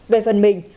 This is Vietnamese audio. về phần mình